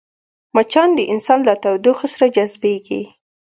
مچان د انسان له تودوخې سره جذبېږي